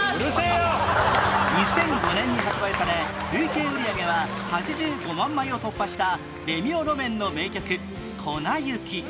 ２００５年に発売され累計売上は８５万枚を突破したレミオロメンの名曲『粉雪』